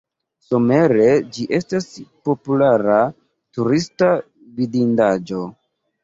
Somere ĝi estas populara turista vidindaĵo.